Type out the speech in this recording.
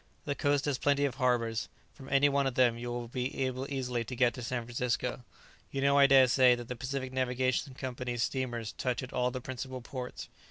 The coast has plenty of harbours. From any one of them you will be able easily to get to San Francisco. You know, I dare say, that the Pacific Navigation Company's steamers touch at all the principal ports.